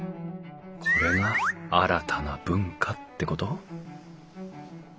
これが新たな文化ってこと？